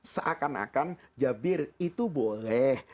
seakan akan jabir itu boleh